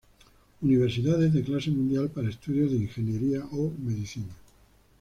Universidades de clase mundial para estudios de ingeniería o medicina.